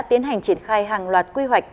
tiến hành triển khai hàng loạt quy hoạch